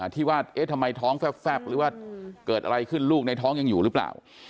ที่ว่าเอ๊ะทำไมท้องแฟบหรือว่าเกิดอะไรขึ้นลูกในท้องยังอยู่หรือเปล่า